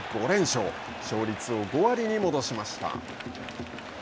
勝率を５割に戻しました。